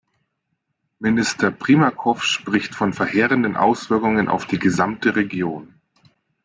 Minister Primakow spricht von verheerenden Auswirkungen auf die gesamte Region.